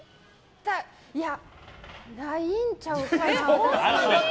いやないんちゃうかな。